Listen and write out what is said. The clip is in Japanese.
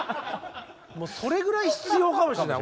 それぐらい必要かもしれない。